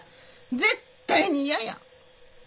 絶対に嫌や！